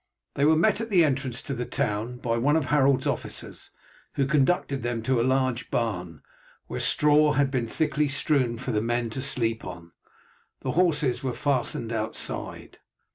They were met at the entrance to the town by one of Harold's officers, who conducted them to a large barn, where straw had been thickly strewn for the men to sleep on. The horses were fastened outside.